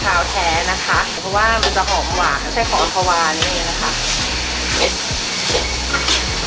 เพราะว่ามันจะหอมหวานใช้ของอธวานนี้เองนะคะ